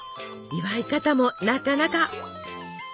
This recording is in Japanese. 祝い方もなかなか！